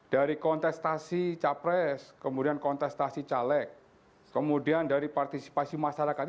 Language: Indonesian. dari kontestasi capres kemudian kontestasi caleg kemudian dari partisipasi masyarakat